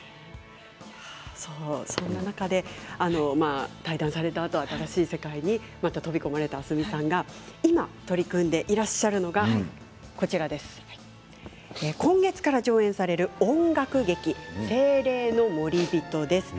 そんな中で退団されたあと新しい世界に飛び込まれた明日海さんが今、取り組んでいらっしゃるのが今月から上演される音楽劇「精霊の守り人」です。